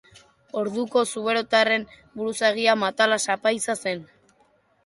Orduko zuberotarren buruzagia Matalas apaiza zen.